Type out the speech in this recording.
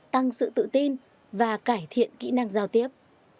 tăng sự tự tin và cải thiện kỹ năng giao tiếp